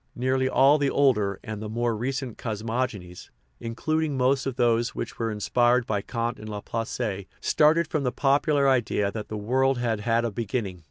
Nearly all the older and the more recent cosmogo nies, including most of those which were inspired by Kant and Laplace, started from the popular idea that the world had had a beginning.